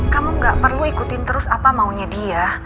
kamu gak perlu ikutin terus apa maunya dia